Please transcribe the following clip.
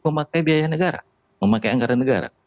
memakai biaya negara memakai anggaran negara